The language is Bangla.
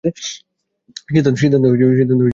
সিদ্ধান্ত নিয়ে নিয়েছি।